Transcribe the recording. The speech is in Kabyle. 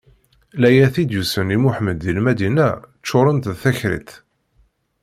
Layat i d-yusan i Muḥemmed di Lmadina ččurent d takriṭ.